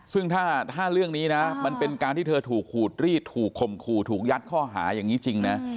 ซึ่งถ้าเรื่องนี้นะมันเป็นการที่เธอถูกขูดรีดถูกข่มขู่ถูกยัดข้อหาอย่างนี้จริงนะ